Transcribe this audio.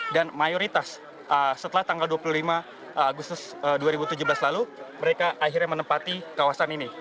dan mayoritas setelah tanggal dua puluh lima agustus dua ribu tujuh belas lalu mereka akhirnya menempati kawasan ini